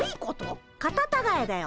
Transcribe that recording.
カタタガエだよ。